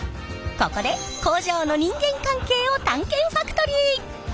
ここで工場の人間関係を探検ファクトリー！